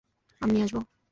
আমি নিয়ে আসবো?